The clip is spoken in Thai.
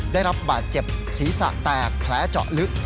ได้รับบาดเจ็บศีรษะแตกแผลเจาะลึก